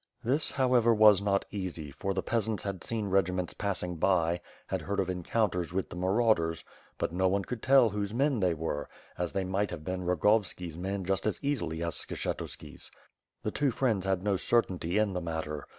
This, however, was not easy, for the peasants had seen regi ments passing by, had heard of encounters with the jnaraud ers; but no one could tell whose men they were, as they might have been Rogovski's men just as easily as Skshetuski's. The two friends had no certainty in the matter.